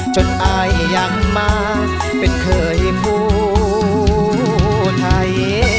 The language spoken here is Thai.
จนอายอย่างมากเป็นเคยผู้ไทย